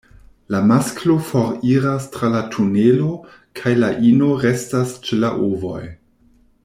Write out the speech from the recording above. La masklo foriras tra la tunelo, kaj la ino restas ĉe la ovoj.